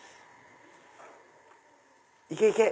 行け行け！